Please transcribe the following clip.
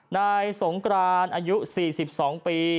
นายสงกรานอายุ๔๒ปี